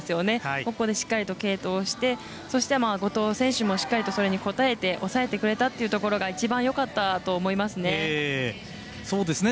ここでしっかりと継投して後藤選手もしっかりとそれに応えて抑えてくれたところが一番よかったと思いますね。